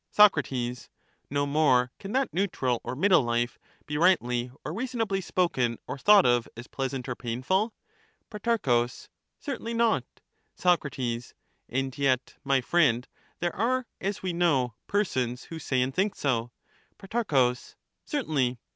Soc, No more can that neutral or middle life be rightly or reasonably spoken or thought of as pleasant or painful. Pro, Certainly not. Soc, And yet, my friend, there are, as we know, persons 44 who say and think so. Pro, Certainly.